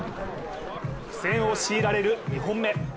苦戦を強いられる２本目。